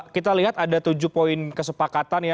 kita lihat ada tujuh poin kesepakatan ya